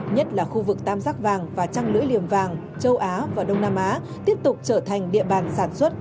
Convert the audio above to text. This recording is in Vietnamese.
nhất là khu vực tam giác vàng và trăng lưỡi liềm vàng châu á và đông nam á tiếp tục trở thành địa bàn sản xuất